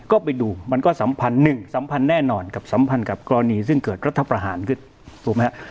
ก็ไปดูมันก็สัมพันธ์หนึ่งสัมพันธ์แน่นอนกับสัมพันธ์กับกรณีซึ่งเกิดรัฐประหารขึ้นถูกไหมฮะ